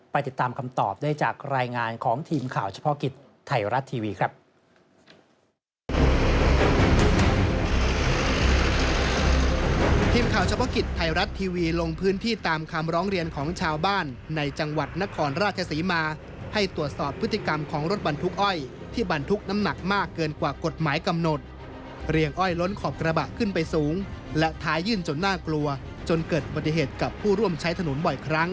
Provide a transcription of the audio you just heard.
ติดตามคำตอบได้จากรายงานของทีมข่าวเฉพาะกิจไทยรัฐทีวีครับ